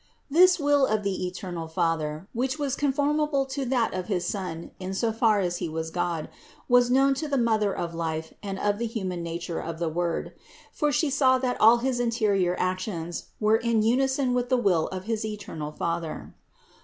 597. This will of the eternal Father, which was con formable to that of his Son in so far as He was God, was known to the Mother of life and of the human nature of the Word; for She saw that all his interior actions 506 THE INCARNATION 507 were in unison with the will of his eternal Father.